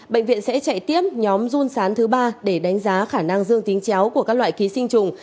bệnh viện sẽ chạy tiếp nhóm run sán thứ ba để đánh giá khả năng dương tính chéo của các loại ký sinh trùng